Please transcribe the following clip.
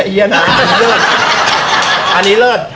แบบเสียงเล็ก